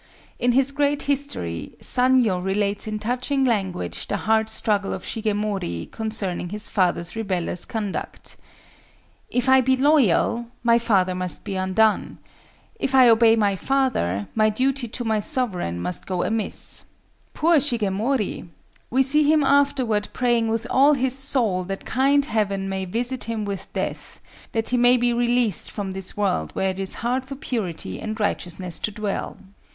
In his great history, Sanyo relates in touching language the heart struggle of Shigemori concerning his father's rebellious conduct. "If I be loyal, my father must be undone; if I obey my father, my duty to my sovereign must go amiss." Poor Shigemori! We see him afterward praying with all his soul that kind Heaven may visit him with death, that he may be released from this world where it is hard for purity and righteousness to dwell.